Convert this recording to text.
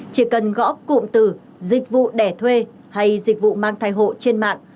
chỉ cần gõ cụm từ dịch vụ đẻ thuê hay dịch vụ mang thai hộ trên mạng